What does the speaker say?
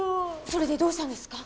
それでどうしたんですか？